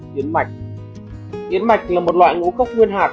ba yến mạch yến mạch là một loại ngũ khốc nguyên hạt